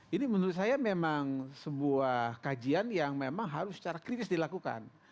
ini menurut saya memang sebuah kajian yang memang harus secara kritis dilakukan